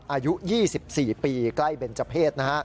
อายุ๒๔ปีใกล้เบรจเพศ